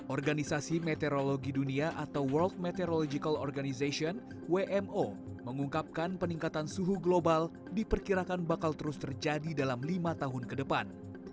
organisasi meteorologi dunia atau world meteorological organization wmo mengungkapkan peningkatan suhu global diperkirakan bakal terus terjadi dalam lima tahun ke depan